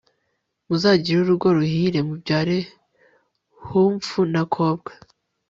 muzagire urugo ruhire mubyare hunfu na kobwa